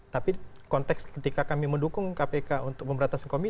tapi konteks ketika kami mendukung kpk untuk pemberantasan korupsi